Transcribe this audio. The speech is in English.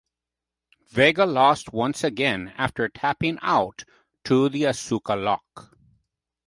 Vega lost once again after tapping out to the Asuka Lock.